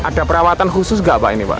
ada perawatan khusus nggak pak ini pak